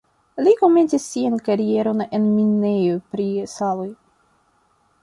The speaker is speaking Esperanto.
Li komencis sian karieron en minejoj pri saloj.